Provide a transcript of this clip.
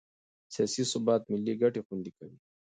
سیاسي ثبات ملي ګټې خوندي کوي